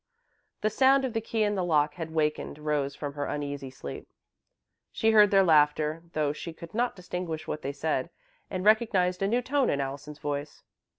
The sound of the key in the lock had wakened Rose from her uneasy sleep. She heard their laughter, though she could not distinguish what they said, and recognised a new tone in Allison's voice.